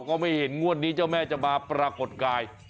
ก็ไม่เห็นงวดนี้เจ้าแม่จะมาปรากฏกาย